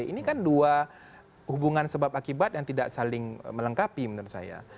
ini kan dua hubungan sebab akibat yang tidak saling melengkapi menurut saya